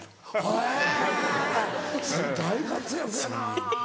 へぇ大活躍やな。